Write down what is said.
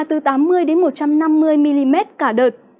từ tám mươi một trăm năm mươi mm cả đợt